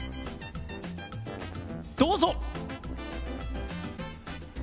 どうぞ！